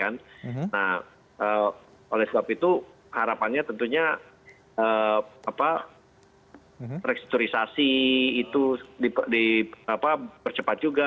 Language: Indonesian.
nah oleh sebab itu harapannya tentunya restrukturisasi itu dipercepat juga